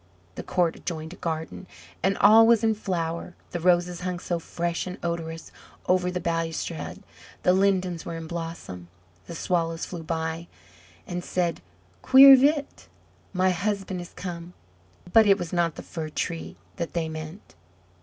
The court adjoined a garden, and all was in flower; the roses hung so fresh and odorous over the balustrade, the lindens were in blossom, the Swallows flew by, and said, "Quirre vit! my husband is come!" but it was not the Fir tree that they meant.